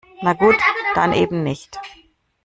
Na gut, dann eben nicht.